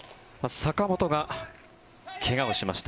坂本が怪我をしました。